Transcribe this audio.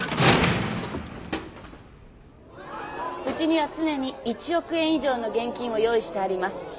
うちには常に１億円以上の現金を用意してあります。